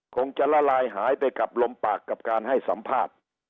คงจะละลายหายไปกับลมปากกับการให้สัมภาษณ์